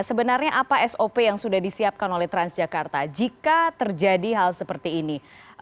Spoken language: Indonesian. sebenarnya apa sop yang sudah disiapkan oleh transjakarta jika terjadi hal seperti ini